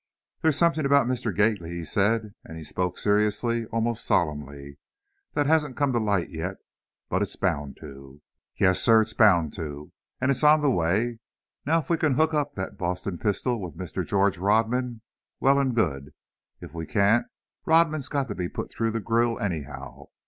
"There's something about Mr. Gately," he said, and he spoke seriously, almost solemnly, "that hasn't come to light yet, but it's bound to. Yes, sir, it's bound to! And it's on the way. Now, if we can hook up that Boston pistol with Mr. George Rodman, well and good; if we can't, Rodman's got to be put through the grill anyhow.